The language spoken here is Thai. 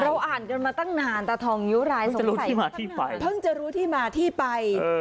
อ่านกันมาตั้งนานตาทองนิ้วรายสงสัยที่มาที่ไปเพิ่งจะรู้ที่มาที่ไป